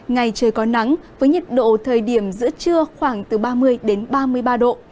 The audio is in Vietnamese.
ngày trời có nắng với nhiệt độ thời điểm giữa trưa khoảng từ ba mươi đến ba mươi ba độ